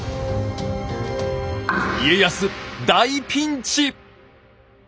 家康大ピンチ！